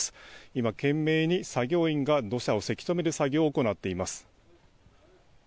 今、懸命に作業員が土砂をせき止める作業を行っています。